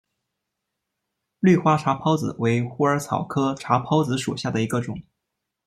绿花茶藨子为虎耳草科茶藨子属下的一个种。